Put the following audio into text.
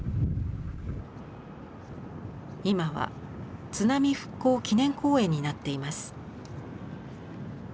今は津波復興祈念公園になっています。